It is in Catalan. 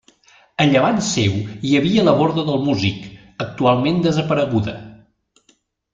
A llevant seu hi havia la Borda del Músic, actualment desapareguda.